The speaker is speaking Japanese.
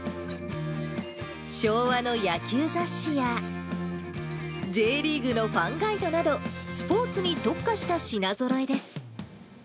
昭和の野球雑誌や、Ｊリーグのファンガイドなど、スポーツに特化した品ぞろえです。